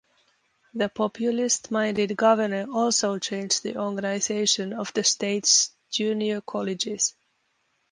The populist-minded governor also changed the organization of the state's junior colleges.